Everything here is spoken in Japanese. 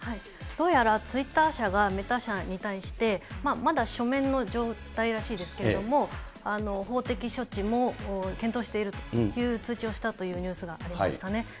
どうやらツイッター社はメタ社に対して、まだ書面の状態らしいですけれども、法的処置も検討しているという通知をしたというニュースがありましたね。